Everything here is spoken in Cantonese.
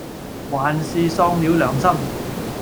還是喪了良心，